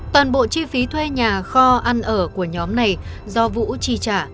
toàn bộ chi phí thuê nhà kho ăn ở của nhóm này do vũ chi trả